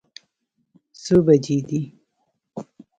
څو بجې دي.